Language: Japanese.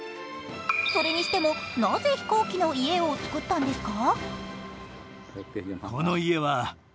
それにしても、なぜ、飛行機の家を作ったんですか？